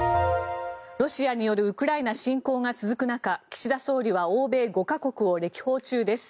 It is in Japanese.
ロシアによるウクライナ侵攻が続く中岸田総理は欧米５か国を歴訪中です。